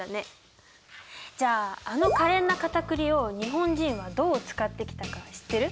じゃああの可憐なカタクリを日本人はどう使ってきたか知ってる？